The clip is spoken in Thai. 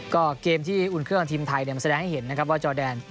ก็เกมที่อุ่นเครื่องทีมไทยมันแสดงให้เห็นนะครับว่าจอแดน